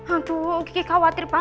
aduh gigi khawatir banget